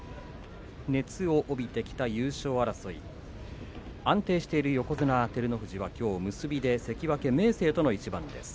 熱を帯びてきた優勝争い安定している横綱照ノ富士はきょう結びで関脇明生との一番です。